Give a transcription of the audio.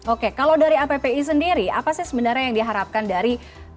oke kalau dari appi sendiri apa sih sebenarnya yang diharapkan dari